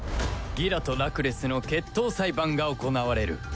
ギラとラクレスの決闘裁判が行われる